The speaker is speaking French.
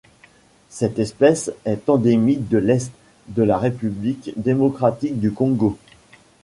Cette espèce est endémique de l'Est de la République démocratique du Congo.